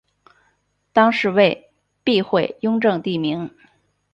当是为避讳雍正帝名。